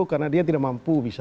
karena dia tidak mampu bisa